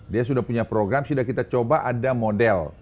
dia sudah punya program sudah kita coba ada model